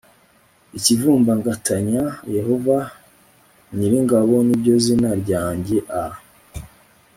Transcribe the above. ikivumbagatanya yehova nyir ingabo ni ryo zina ryanjye a